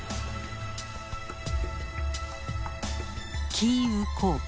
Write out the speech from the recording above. キーウ公国。